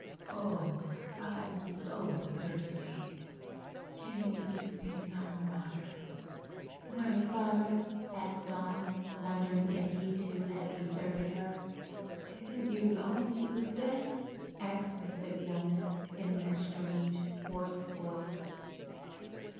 "Oh, I'm so thirsty! Can you get me some water?" "Where is Father?" asked Dawn, wondering if he too had deserted her. "Didn't you know he was dead?" asked the sick woman, in that strangely hoarse voice.